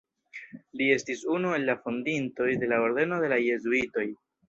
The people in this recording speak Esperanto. Li estis unu el la fondintoj de la ordeno de la jezuitoj.